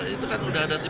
itu kan sudah ada tipe